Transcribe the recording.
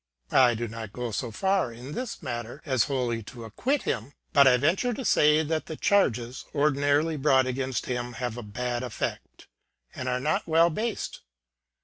. I do not go so far in this matter as wholly to acquit him; but I venture to say that the charges ordinarily brought against him have a bad effect, and are not well based.